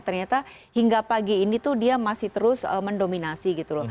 ternyata hingga pagi ini dia masih terus mendominasi